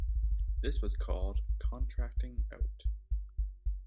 This was called "contracting out".